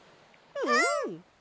うん！